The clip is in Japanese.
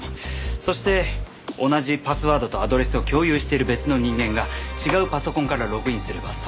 そして同じパスワードとアドレスを共有している別の人間が違うパソコンからログインすればその下書きが読める。